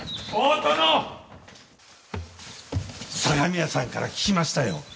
相模屋さんから聞きましたよ。